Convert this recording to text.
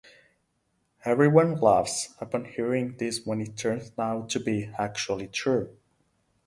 Everyone laughs upon hearing this when it turns out to be actually true.